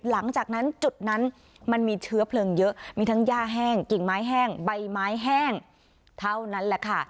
หลังจากนั้นจุดนั้นมันมีเชื้อเพลิงเยอะมีทั้งย่าแห้งกิ่งไม้แห้งใบไม้แห้งเท่านั้นแหละค่ะ